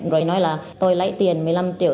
rồi nói là tôi lấy tiền một mươi năm triệu